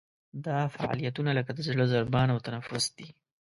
دا فعالیتونه لکه د زړه ضربان او تنفس دي.